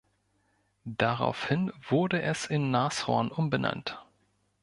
Daraufhin wurde es in „Nashorn“ umbenannt.